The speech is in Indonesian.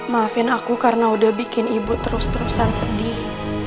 maafin aku karena udah bikin ibu terus terusan sedih